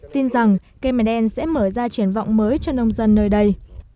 tin rằng cây mè đen sẽ mở ra triển vọng mới cho nông dân nơi đây